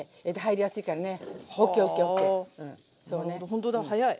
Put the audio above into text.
ほんとだ早い。